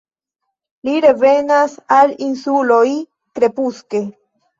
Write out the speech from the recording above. Ili revenas al insuloj krepuske.